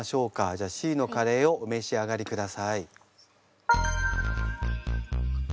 じゃあＣのカレーをお召し上がりください。